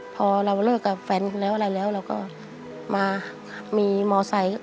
พอเราเลิกกับแฟนแล้วอะไรแล้วเราก็มามีมอไซค์